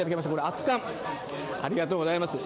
熱かん、ありがとうございます。